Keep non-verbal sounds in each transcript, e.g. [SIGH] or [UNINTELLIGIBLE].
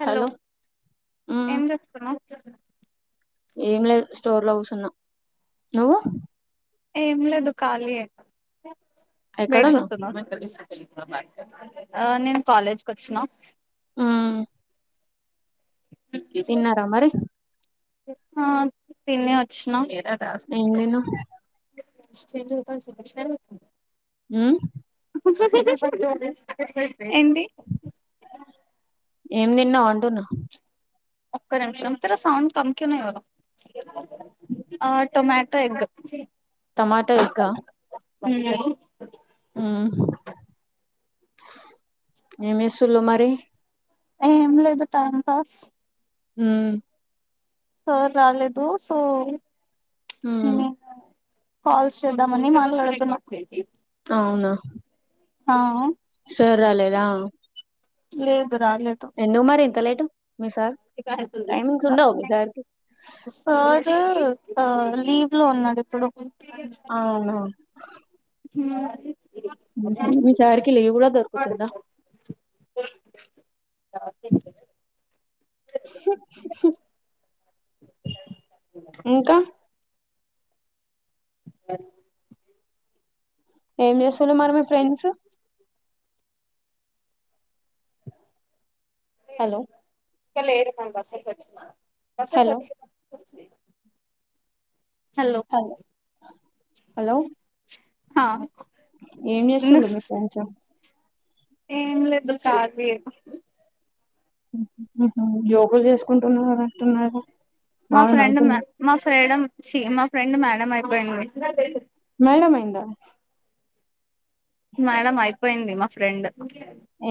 Hello మ్మ్ ఏం చేస్తున్నావ్ ఏం లేదు స్టోర్ లో కుసున్నా నువ్వు ఏం లేదు కాలి ఏ ఎక్కడున్నావ్ బయటకి ఆ నేను కాలేజ్ కి వచ్చిన మ్మ్ తిన్నారా మరి ఆ తినే వచ్చిన ఏం తిన్నావ్ [UNINTELLIGIBLE] హ్మ్ ఏంటి ఏం తిన్నావు అంటున్నా ఒక్క నిమిషం ఆ టొమాటో ఎగ్ టమాటా ఎగ్ ఆ ఏం చేస్తున్నావ్ మరి ఏం లేదు టైం పాస్ హ్మ్ సార్ రాలేదు సో మ్మ్ హ్మ్ కాల్స్ చేద్దామని మాట్లాడుతున్న అవునా ఆ సార్ రాలేదా లేదు రాలేదు ఎందుకు మరి ఇంత లేట్ మీ సార్ టైమింగ్స్ ఉండవ మీసార్కి అది లీవ్ లో ఉన్నాడు ఇప్పుడు అవున హ్మ్ మీ సార్ కి లీవ్ కూడా దొరుకుతుందా స ఇంకా అది ఏం చేస్తురు మరి మీ ఫ్రెండ్స్ హలో ఇక్కలేరు మన బస్ ఎక్కోచిన బస్ హలో ఎక్కి వచ్చే లోపు [UNINTELLIGIBLE] హలో హలో హ ఏం చేస్తులు మీర్ కొంచం ఏం లేదు కాలి ఏ జోకులు చేసుకుంటునారు అంటున్నరు మా ఫ్రెండ్ మా ఫ్రెడ చి మా ఫ్రెండ్ మేడం అయిపోయింది మేడం అయిందా మేడం అయిపోయింది మా ఫ్రెండ్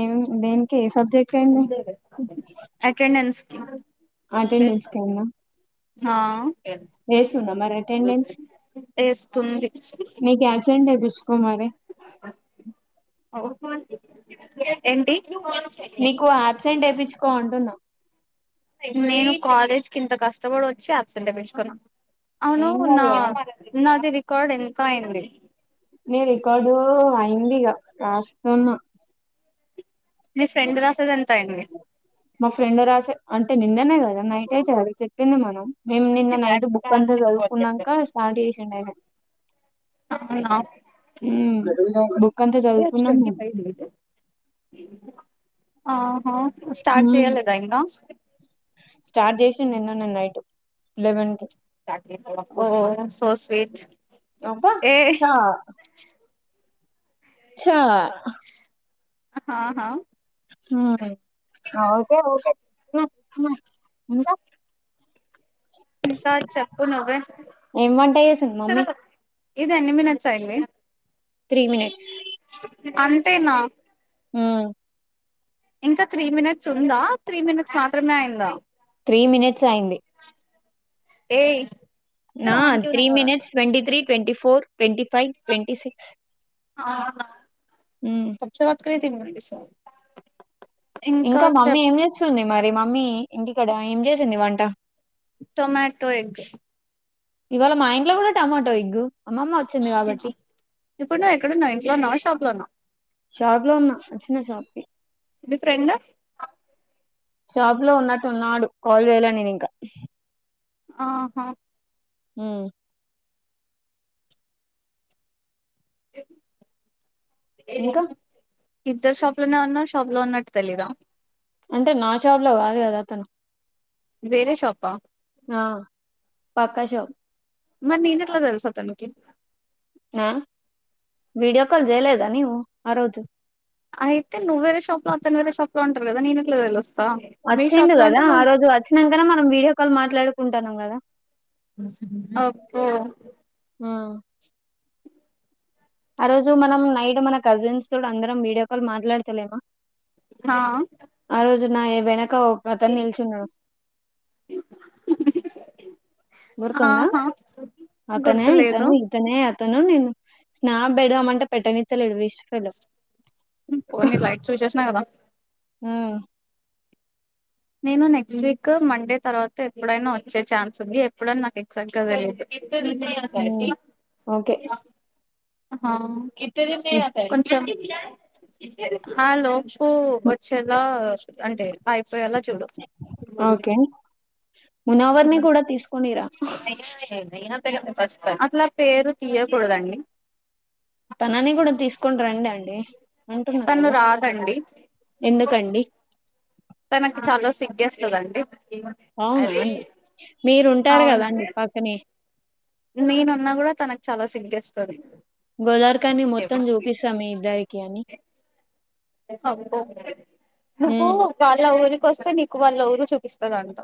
ఏం దెన్కి ఏ సబ్ అటెనెన్స్ కి అటెండెన్స్ హా వేసుందా మరి అటెండెన్స్ వేస్తుంది మీక్ ఆబ్సెంట్ ఐతే జూస్కో మరి ఏంటి నీకు అబ్సెంట్ వేయించుకో అంటున్నా నేను కాలేజ్ కి ఇంత కష్టపడి వచ్చి అబ్సెంట్ ఏపీచుకోన అవును ఏం కాదు నా కదా నాది రికార్డ్ ఎంత అయింది నే రికార్డు అయింది ఇగ రాస్తున్నా నీ ఫ్రెండ్ రాసెది ఎంత ఐంది మా ఫ్రెండ్ రాసి అంటే నిన్ననే కదా నైట్ అయి చాలు చెప్పింది మనం మేము నిన్న నైటు బుక్ అంతా చదువుకున్నాక స్టార్ట్ చేసిండు అయినా అవునా ఊ బాబు ఆహా స్టార్ట్ ఉమ్ చేయలేదా ఇంకా చి నిననే నైట్ లెవెన్ కి ఓ సో స్వీట్ అబ్బ ఏ చా చా ఆహా ఆయ్ ఆ ఓకే ఓకే ఇంకా ఇంకా చెప్పు నువ్వే ఏం వంట చేసింది మమ్మీ ఇదే ఎన్ని మినట్స్ ఐంది త్రీ మినట్స్ అంతేనా ఊ ఇంకా త్రీ మినిట్స్ ఉందా త్రీ మినిట్స్ మాత్రమే అయిందా త్రీ మినిట్స్ అయింది ఏయ్ నా ఇద్దరు ఆన్ క్యూ త్రీ నహీ హో రహా minutes ట్వంట three ట్వ four ట్వ five ట్వ six ఆహా ఉమ్, కొత్త [UNINTELLIGIBLE] ఈ సారి ఇంకా మమ్మీ ఏం చేస్తుంది మరి మమ్మీ ఇంటికాడ ఏం చేసింది వంట మార్తో ఎగ్ ఇవాళ మా ఇంట్లో కూడా టమాటో ఎగ్గు అమ్మమ్మ వచ్చింది కాబట్టి ఇప్పుడు నువ్వు ఎక్కడన్నావు ఇంట్లో ఉన్నావ షాప్ లో ఉన్నావు షాప్లో ఉన్నా వచ్చిన షాప్కి మీ ఫ్రెండ్ షాప్ లో ఉన్నట్టు ఉన్నాడు కాల్ జేయాలే నేను ఇంకా ఆహా మ్ ఏ ఇంకా ఇద్దరు షాప్ లోనే ఉన్నారు షాప్ లో ఉన్నట్టు తెలిద అంటే నా షాప్ లో కాదు కదా అతను వేరే షాపా ఆ, పక్క షాప్ మరి నేనేట్ల తెలుసు అతనికి ఆ వీడియో కాల్ జేయలేద నీవు ఆ రోజు అయితే నువ్వు వేరే షాప్ లో అతను వేరే షాప్లో ఉంటారు కదా నేను ఎట్లా తెలు వచ్చిండు కదా ఆ రోజు వచ్చినంకనే మనం వీడియో కాల్ మాట్లాడుకుంటాన్నాం కదా అబ్బో ఉమ్ ఆ రోజు మనం నైట్ మన కజిన్స్ తోటి అందరం వీడియో కాల్ మాట్లాడతలేమ హా నా వెనక ఒక అతను నిల్చున్నా గుర్తుందా ఆహా అతనే గుర్తులేదు ఇతను ఇతనే అతను నేను స్నాప్ పెడదమంటే పెట్టనిత్తలేడు వేస్ట్ ఫెల్లో పోనీ రైట్సో చేసినా కదా హ్మ్ నేను నెక్స్ట్ వీక్ మండే తర్వాత ఎప్పుడైనా వచ్చే ఛాన్స్ ఉంది ఎప్పుడని నాకు ఎగ్జాక్ట్ గా ఉమ్, తెలిదు ఓకే హా ఇట్స్ ఆ లోపు వచ్చేలా అంటే అయిపోయేలా చూడు ఓకే మునవర్ని కూడా తీసుకొనిరా అట్లా పేరు తీయకూడదండి తనని కూడా తీసుకుని రండి అండి అంటున్నాం తను కదా రాదండి ఎందుకండి తనకి చాలా సిగ్గేస్తదండి అవునా అండి మీరు ఉంటారు కదాండి అవునండి పక్కనే నేనున్నా కూడా తనకి చాలా సిగ్గేస్తది గోదార్కాన్ని మొత్తం చూపిస్తా మీ ఇద్దరికి అని ఆ ఒ నువ్వు ఉమ్, బోలేద ఊరికి వస్తే నీకు వాళ్ళు ఎవరో చూపిస్తాదంట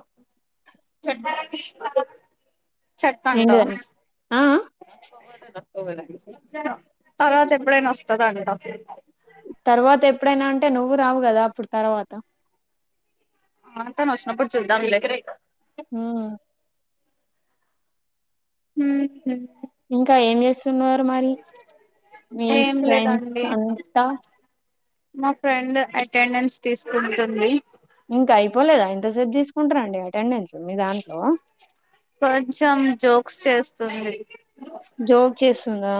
ఛట్ట్ అంట ఏంటిదండి ఆ ఆ? తర్వాత ఎప్పుడైనా వస్తద అంట తర్వాత ఎప్పుడైనా అంటే నువ్వు రావు కదా అప్పుడు తర్వాత ఆ తను వచ్చినప్పుడు చూద్దాం లే ఉమ్ మ్ హు ఇంకా ఏం చేస్తున్నారు మరి మీ ఏం ఫ్రెండ్స్ లేదండి అంతా మా ఫ్రెండ్ అటెండెన్స్ తీసుకుంటుంది ఇంకా అయిపోలేదా ఎంతసేపు తీసుకుంటారండి అటెండెన్స్ మీ దాంట్లో కొంచెం జోక్స్ చేస్తుంది జోక్ చేస్తుందా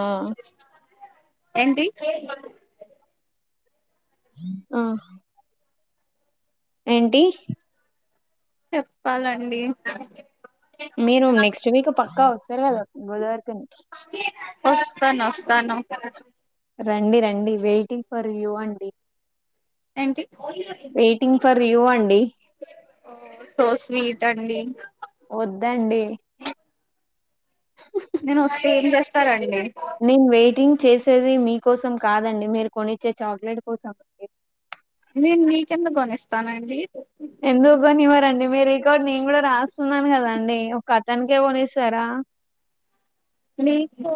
ఏంటి ఆహ ఏంటి చెప్పాలండి మీరు నెక్స్ట్ వీక్ పక్కా వస్తారు కదా గోదావరిఖని కా నమ్మకం తక్కువే రండి రండి వెయిటింగ్ ఫర్ యూ అండి ఏంటి వెయిటింగ్ ఫర్ యూ అండి సో స్వీట్ తండి వద్దండి నేను వస్తే ఏం చేస్తారాండి నేను వెయిటింగ్ చేసేది మీకోసం కాదండి మీరు కొనిచ్చే చాక్లెట్ కోసం నేను మీకెందుకు కొనిస్తానండి ఎందుకు కొనివ్వరండి మీ రికార్డు నేను కూడా రాస్తున్నాను కదాండి ఒక అతనికే కోనీస్తారా ఆ నీకు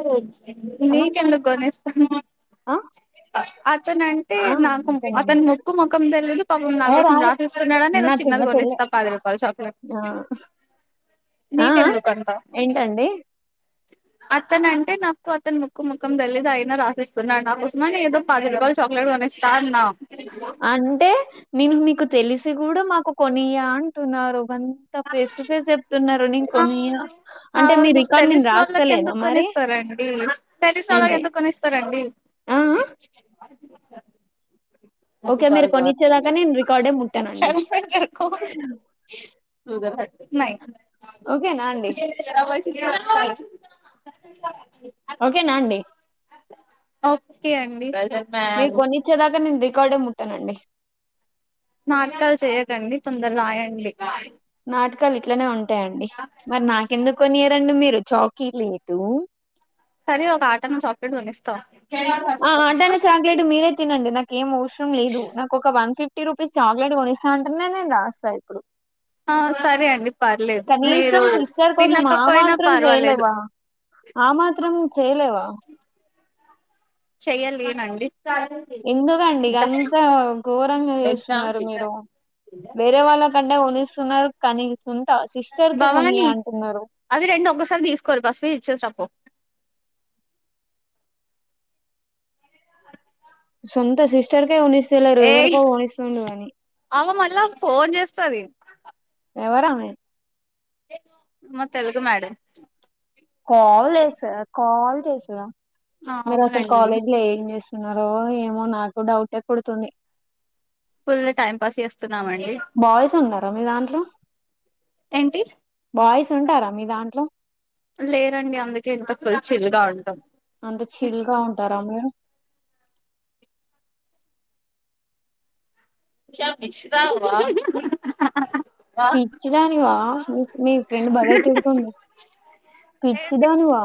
అన్న నీకు ఎందుకు కొనిస్తాను ఆ? అతన అంటే ఆ! నాకు అతనేనా? అతను మొక్కు ముఖం తెలియదు పాపం నా ఏ కోసం రాదు. రాసేస్తున్నాడుని ఏదో నా చిన్న చిన్నది చెల్లె. కొనిస్తా పది రూపాయలు చాక్లెట్ ఆ! ఆ? ఆ? నీకెందుకు అంత ఏంటండి? అతను అంటే నాకు అతను ముక్కు ముఖం తెలియదు అయినా రాసిస్తున్నాడు నాకోసం అని ఏదో పది రూపాయలు చా చాక్లెట్ కొనిస్తా అన్న అంటే నేను మీకు తెలిసి కూడా మాకు కొనియా అంటున్నారు అంత ఫేస్ టు ఫేస్ చెప్తున్నారు నేను కొనియా అవును అంటే మీ రికార్డ్ నేను రాస్తాలేనా మరి అంటే తెలిసినోళ్ళకి ఏంటి? ఎందుకు కొనిస్తారండి ఆ? ఆ? ఓకే. మీరు కొనిచ్చేదాకా నేను [UNINTELLIGIBLE] రికార్డే ముట్టనండి. నవ్వు గనుక [INAUDIBLE] ఓకేనా అండి? ప [UNINTELLIGIBLE] ఓకేనా అండి ఓకే అండి మీరు కొనిచ్చేదాకా నేను రికార్డ్ ముట్టనండి నాటకాలు చేయకండి తొందర రాయండి నాటకాలు ఇట్లనే ఉంటాయండి మరి నాకెందుకు కొనియరండి మీరు చాకీ లేటు కానీ ఒక ఆటన చాక్లెట్ కొనిస్తా ఆ ఆటన చాక్లెట్ మీరే తినండి నాక ఏం అవసరం లేదు నాకు ఒక one fifty fifty rupees chocolate కొనిస్తా అంటేనే నేను రాస్తా ఇప్పుడు ఆ సరే అండి పర్లేదు మీరు కనీసం సిస్టర్ కోసం ఆ తినకపోయినా మాత్రం పర్వాలేదు చేయలేవా ఆ మాత్రం చెయలేవా చెయ్యలేను అండి ఎందుకండి గంత ఘోరంగా చేస్తున్నారు మీరు వేరే వాళ్ళ కంటే కొనిస్తున్నారు కానీ సొంత సిస్టర్ కి కొనియా భవాని అంటున్నారు అవి రెండు ఒక్కసారి తీసుకోరు ఫస్ట్ ఇది ఇచ్చేసి రా పో సంత సిస్టర్ కొనిస్తలేరు ఏయ్ ఎవరికో కొనిస్తుండు గాని సరే ఎవరు ఆమె మా తెలుగు మేడం కాల్ చేసా కాల్ చేసిన మీరు అసలు అవునండి కాలేజ్ లో ఏం చేస్త స్తున్నారో ఏమో నాకు డౌటే కొడుతుంది ఫుల్ టైం పాస్ చేస్తున్నామండి బాయ్స్ ఉన్నారా మీ దాంట్లో ఏంటి బాయ్స్ ఉంటారా మీ దాంట్లో లేరండి అందుకే ఎంత చిలుగా ఉంటాం అంత చిల్గా ఉంటారా మీరు ష మిశ్రా పిచ్చిడాాని వా మీ మీ ఫ్రెండ్ బర్తుడుతుంది పిచ్చిదానువా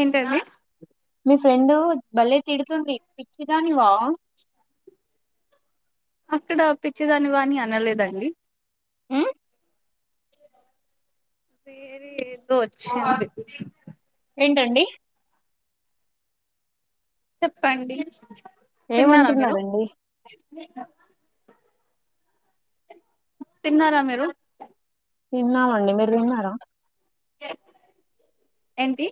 ఏంటండి మీ ఫ్రెండ్ బల్లేె తిడుతుంది పిచ్చిదాని వా అక్కడ పిచ్చిదాని వాని అనలేదండి ఉం? వేర ఏదో వచ్చంది ఏంటండి చెప్పండి తిన్నారా మీరు ఏమంటున్నారండి తిన్నారా మీరు తిన్నామండి మీరు తిన్నారా ఏంటి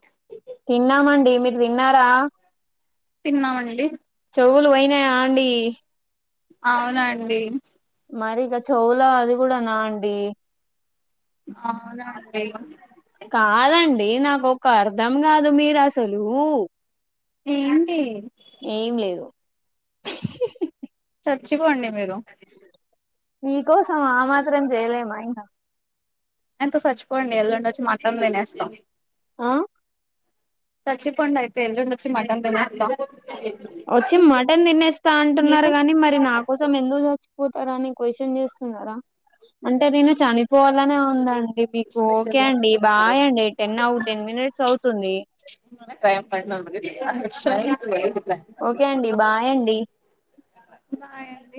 తిన్నామండి మీరు విన్నారా తిన్నామండి చెవులు పోయినాయా అండి అవునండి మరి ఇక చెవుల అది కూడా నా అండి ఆ అ కాదండి నాకు ఒక అర్ధం కాదు మీరు అసలు ఏంటి ఏం లేదు చచ్చిపోండి మీరు నీకోసం ఆ మాత్రం చేయలేమా ఇంకా ఎంతో చచ్చిపోండి ఎల్లుండి వచ్చి మాట్ం వినేేస్తాం ఆ చచ్చి పండ్ అయితే ఎల్చ్చి మటన్ తెని వచ్చి మటన్ తినేస్తా అంటున్నారు కాగాని మరి నా కోసం ఎందుకు చ పోతారా అని క్వశ్చన్ చేస్తున్నారా అంటే నేను చనిపోవాలనే ఉందండి మీకు ఓకే అండి బాయ్ అండి టెన్ అవ టెన్ మినిట్స్ అవుతుంది ప్రయ పడి సర ఓకే అండి బాయ్ అండి బా